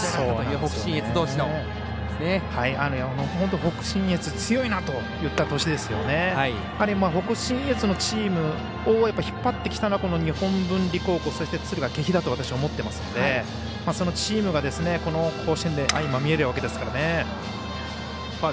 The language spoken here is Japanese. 北信越のチームを引っ張ってきたのは日本文理高校そして敦賀気比だと私は思ってますのでそのチームがこの甲子園で相まみえるわけですから。